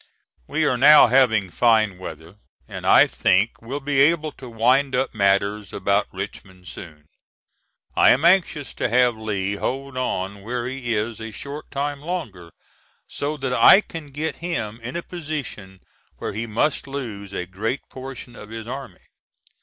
We are now having fine weather and I think will be able to wind up matters about Richmond soon. I am anxious to have Lee hold on where he is a short time longer so that I can get him in a position where he must lose a great portion of his army.